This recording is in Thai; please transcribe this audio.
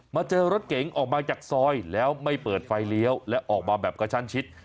เจอรถเก๋งออกมาจากซอยแล้วไม่เปิดไฟเลี้ยวและออกมาแบบกระชั้นชิด